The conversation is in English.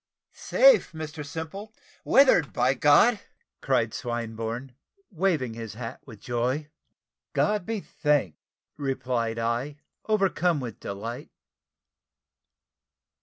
"Safe, Mr Simple! weathered, by God!" cried Swinburne, waving his hat with joy. "God be thanked!" replied I, overcome with delight.